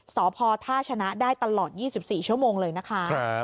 สพท่าชนะได้ตลอด๒๔ชั่วโมงเลยนะคะ